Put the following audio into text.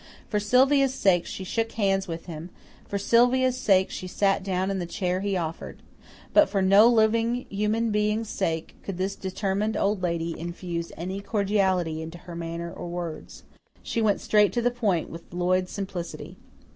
For Sylvia's sake she shook hands with him, for Sylvia's sake she sat down in the chair he offered. But for no living human being's sake could this determined Old Lady infuse any cordiality into her manner or her words. She went straight to the point with Lloyd simplicity.